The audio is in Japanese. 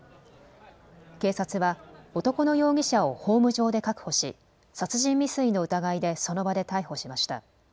警察は男の容疑者をホーム上で確保し、殺人未遂の疑いでその場で逮捕しました。